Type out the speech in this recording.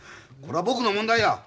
これは僕の問題や。